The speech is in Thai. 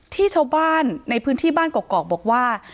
ที่ชาวบ้านในพื้นที่บ้านกอกบอกว่า